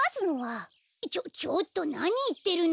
ちょちょっとなにいってるの！